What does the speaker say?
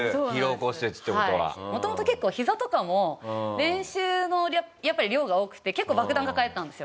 元々結構ひざとかも練習の量が多くて結構爆弾を抱えてたんですよ。